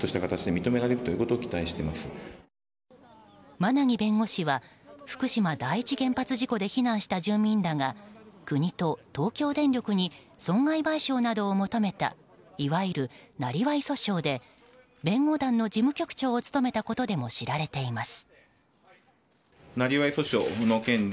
馬奈木弁護士は福島第一原発事故で避難した住民らが国と東京電力に損害賠償などを求めたいわゆる生業訴訟で弁護団の事務局長を務めたことでも知られています。